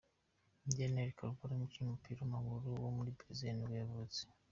Daniel Carvalho, umukinnyi w’umupira w’amaguru wo muri Brazil nibwo yavutse.